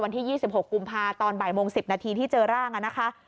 วันที่๒๖กุมภาคตอนบ่ายโมง๑๐นาทีที่เจอร่างนะคะ